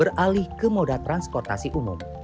beralih ke moda transportasi umum